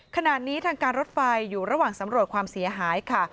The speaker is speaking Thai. ขณะนี้ทางการรถไฟอยู่ระหว่างสำรวจความเสียหายค่ะ